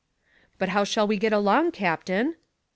"But how shall we get along, captain?"